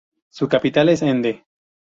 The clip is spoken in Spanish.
Su capital es Ende.